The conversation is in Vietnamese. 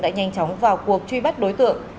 đã nhanh chóng vào cuộc truy bắt đối tượng